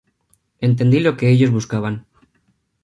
Entendí lo que ellos buscaban.